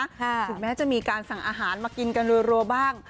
ถึงแม้จะมีการสั่งอาหารมากินกันรัวบ้าง